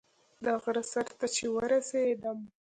د غره سر ته چې ورسېدم.